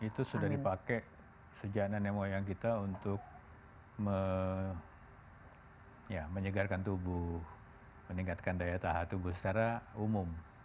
itu sudah dipakai sejak nenek moyang kita untuk menyegarkan tubuh meningkatkan daya tahan tubuh secara umum